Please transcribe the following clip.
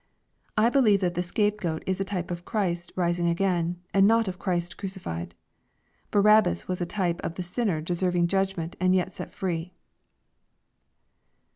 I believe that tlie scape goat was a type of Christ rising a rain, and not of Chriist crucified. Barabbas was a type of the sinner deserving judgment and yet set free.